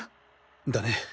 だね。